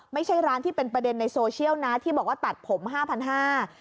ไม่ใช่ร้านที่เป็นประเด็นในโซเชียลนะที่บอกว่าตัดผมห้าพันห้า